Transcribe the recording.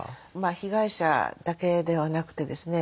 被害者だけではなくてですね